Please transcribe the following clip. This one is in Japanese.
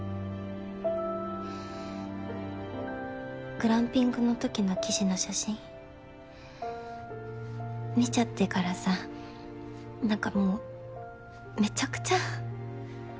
グランピングのときの記事の写真見ちゃってからさ何かもうめちゃくちゃ？